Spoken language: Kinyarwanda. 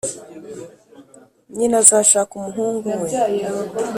nyina azashaka umuhungu we;